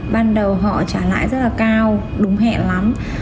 ban đầu họ trả lãi rất là cao đúng hẹn lắm